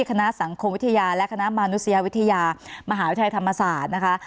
คณะสังคมวิทยาและคณะมนุษยวิทยามหาวิทยาลัยธรรมศาสตร์นะคะ